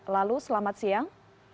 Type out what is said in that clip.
lalu selamat siang